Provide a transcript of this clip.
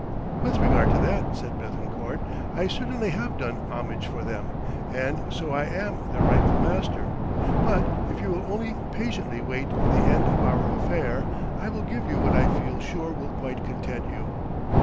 "With regard to that," said Béthencourt, "I certainly have done homage for them, and so I am their rightful master, but if you will only patiently wait the end of our affair, I will give you what I feel sure will quite content you."